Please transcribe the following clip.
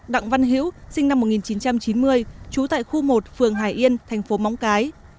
đặng văn hữu sinh năm một nghìn chín trăm chín mươi trú tại khu một phường hải yên thành phố móng cái